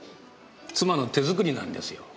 妻の手作りなんですよ。